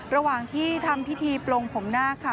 ระหว่างที่ทำพิธีปลงผมนาคค่ะ